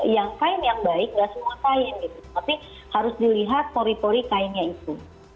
yang kain yang baik nggak semua kain gitu tapi harus dilihat pori pori kainnya itu